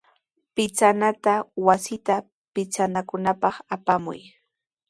Pichanata wasita pichapakunapaq apamuy.